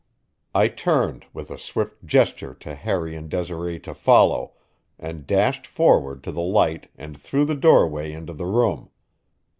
I turned, with a swift gesture to Harry and Desiree to follow, and dashed forward to the light and through the doorway into the room.